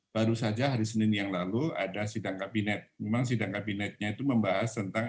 baru saja hari senin yang lalu ada sidang kabinet memang sidang kabinetnya itu membahas tentang